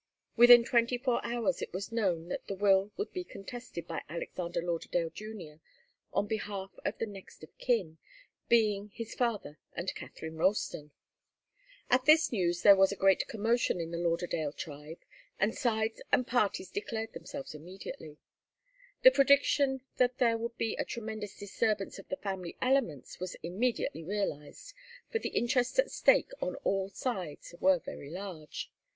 Within twenty four hours it was known that the will would be contested by Alexander Lauderdale Junior on behalf of the next of kin, being his father and Katharine Ralston. At this news there was a great commotion in all the Lauderdale tribe, and sides and parties declared themselves immediately. The prediction that there would be a tremendous disturbance of the family elements was immediately realized, for the interests at stake on all sides were very large.